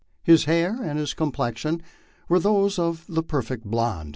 His hair and complexion were those of the perfect blond.